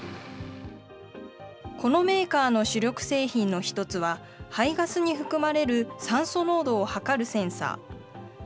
このメーカーの主力製品の一つは、排ガスに含まれる酸素濃度を測るセンサー。